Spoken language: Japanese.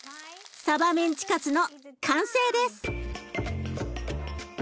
さばメンチカツの完成です！